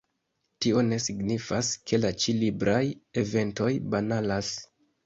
Tio ne signifas, ke la ĉi-libraj eventoj banalas.